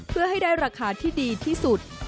เพื่อให้ได้ราคาที่ดีที่สุด